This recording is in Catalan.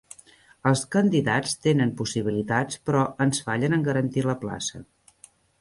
Els candidats tenen possibilitats però ens fallen en garantir la plaça.